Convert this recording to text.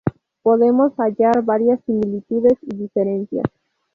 Podemos hallar varías similitudes y diferencias.